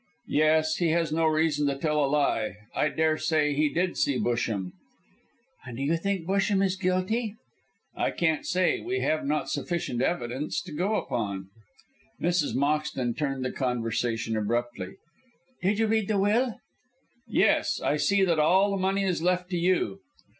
"Yes. He has no reason to tell a lie. I daresay he did see Busham." "And do you think Mr. Busham is guilty?" "I can't say. We have not sufficient evidence to go upon." Mrs. Moxton turned the conversation abruptly. "Did you read the will?" "Yes. I see that all the money is left to you.